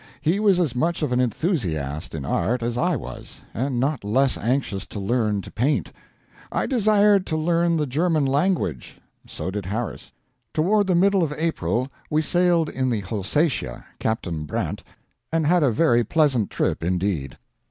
He was as much of an enthusiast in art as I was, and not less anxious to learn to paint. I desired to learn the German language; so did Harris. Toward the middle of April we sailed in the HOLSATIA, Captain Brandt, and had a very pleasant trip, indeed.